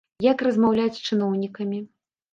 Як размаўляць з чыноўнікамі.